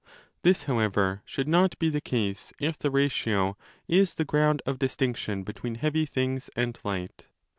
This, however, should not be the case if the ratio is the ground of distinction between heavy things and light.